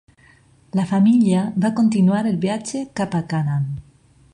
La família va continuar el viatge cap a Canaan.